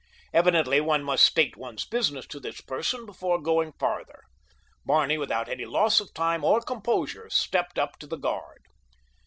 Evidently one must state one's business to this person before going farther. Barney, without any loss of time or composure, stepped up to the guard.